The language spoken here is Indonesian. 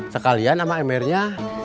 sekalian sama mr nya